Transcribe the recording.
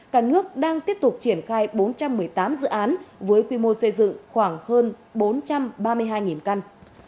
cả nước đang tiếp tục triển khai bốn trăm một mươi tám dự án với quy mô xây dựng khoảng hơn bốn trăm ba mươi hai căn